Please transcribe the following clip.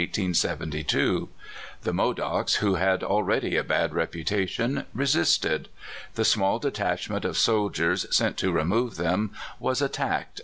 The Modocs, who had already a bad reputation, resisted. The small detachment of soldiers sent to remove them was attacked, and.